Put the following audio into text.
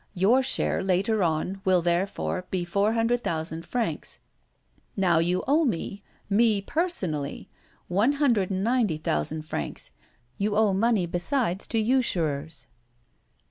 Your share, later on, will, therefore, be four hundred thousand francs. Now you owe me me, personally one hundred and ninety thousand francs. You owe money besides to usurers."